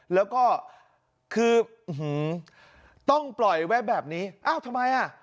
แล้วก็คือต้องปล่อยไว้แบบนี้อ้าวทำไมอ่ะ